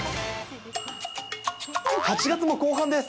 ８月も後半です。